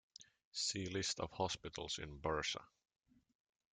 See List of hospitals in Bursa.